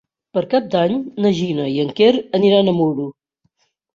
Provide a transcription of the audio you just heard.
Per Cap d'Any na Gina i en Quer aniran a Muro.